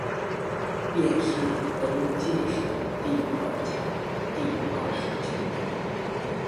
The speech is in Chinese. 殿试登进士第二甲第二十九名。